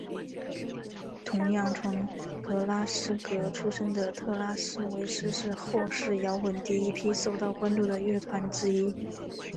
同样从格拉斯哥出身的特拉维斯是后英式摇滚第一批受到关注的乐团之一。